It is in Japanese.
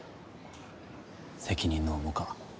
責任の重か。